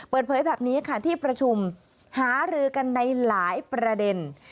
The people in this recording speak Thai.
เปิดเผยแบบนี้ค่ะที่ประชุมหารือกันในหลายประเด็น